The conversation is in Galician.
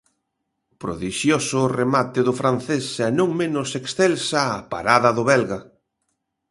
Prodixioso o remate do francés e non menos excelsa a parada do belga.